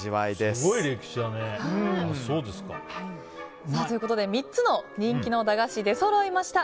すごい歴史だね。ということで３つの人気の駄菓子、出そろいました。